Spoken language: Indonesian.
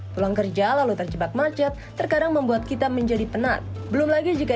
pulang kerja lalu terjebak macet terkadang membuat kita menjadi penat belum lagi jika